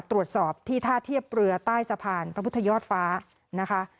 ตรวจสอบที่ท่าเทียบเรือใต้สะพานพระพุทธยอดฟ้านะคะ